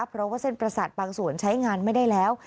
เพราะว่าเส้นประสาทบางส่วนใช้งานไม่ได้แล้ว